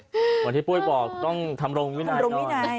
เหมือนที่ปุ้ยบอกต้องทำรงวินัยหน่อย